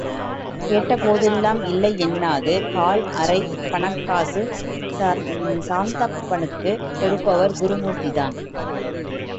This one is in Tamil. கேட்டபோதெல்லாம் இல்லையென்னாது கால் அரை பணங்காசு சாந்தப்பனுக்குக் கொடுப்பவர் குருமூர்த்திதான்.